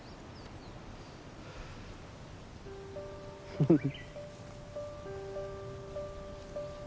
フフフッ。